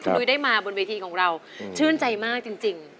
นุ้ยได้มาบนเวทีของเราชื่นใจมากจริง